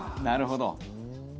なるほど。